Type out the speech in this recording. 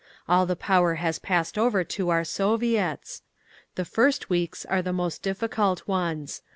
All the power has passed over to our Soviets. The first weeks are the most difficult ones.